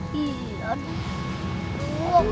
cuma sepedanya doang